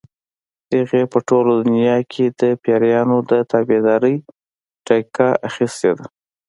هغې په ټوله دنیا کې د پیریانو د تابعدارۍ ټیکه اخیستې ده.